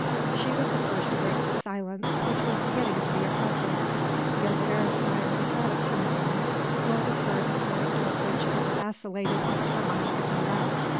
She was the first to break this silence which was beginning to be oppressive. Gilda Beresteyn was not a timid woman nor was hers a character which ever vacillated once her mind was made up.